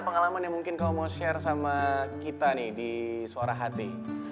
pengalaman yang mungkin kalau mau share sama kita nih di suara hati